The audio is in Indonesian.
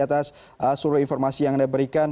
atas seluruh informasi yang anda berikan